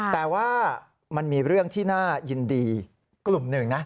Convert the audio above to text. แต่ว่ามันมีเรื่องที่น่ายินดีกลุ่มหนึ่งนะ